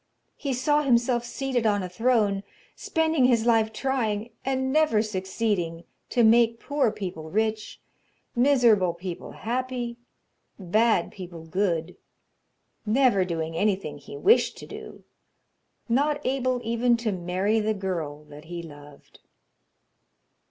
He saw himself seated on a throne, spending his life trying, and never succeeding, to make poor people rich; miserable people happy; bad people good; never doing anything he wished to do, not able even to marry the girl that he loved.